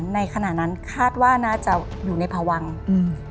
ในขณะนั้นคาดว่าน่าจะอยู่ในพวังอืม